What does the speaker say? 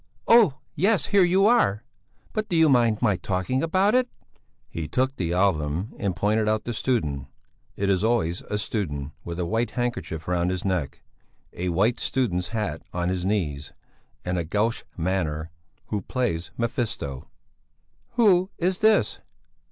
'" "Oh, yes; here you are! But do you mind my talking about it?" He took the album and pointed out the student it is always a student, with a white handkerchief round his neck, a white student's hat on his knees, and a gauche manner, who plays Mephisto. "Who is this?"